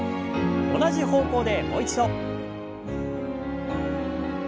同じ方向でもう一度。